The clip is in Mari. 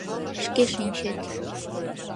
Шке шинчет...